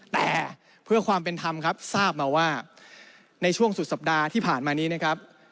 แต่เพื่อความเป็นธรรมครับทราบมาว่าในช่วงสุดสัปดาห์ที่ผ่านมานี้นะครับ